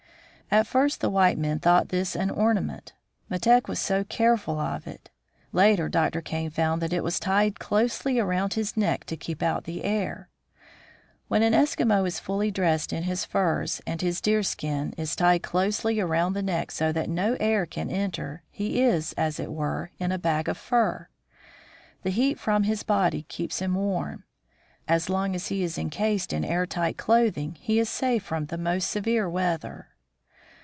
At first the white men thought this an ornament, Metek was so careful of it. Later, Dr. Kane found that it was tied closely around his neck to keep out the air. When an Eskimo is fully dressed in his furs, and his 40 THE ESKIMOS 41 deerskin is tied closely around the neck so that no air can enter, he is, as it were, in a bag of fur. The heat from his body keeps him warm. As long as he is incased in air tight clothing, he is safe from the most severe weather.